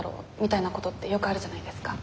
みたいなことってよくあるじゃないですか。